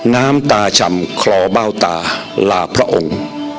น้ำตาฉ่ำคลอเบ้าตาลาพระองค์